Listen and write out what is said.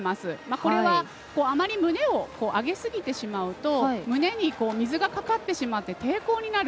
これは、あまり胸を上げすぎてしまうと胸に水がかかってしまって抵抗になる。